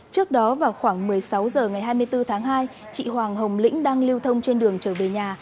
trước đó vào khoảng một mươi sáu h ngày hai mươi bốn tháng hai chị hoàng hồng lĩnh đang lưu thông trên đường trở về nhà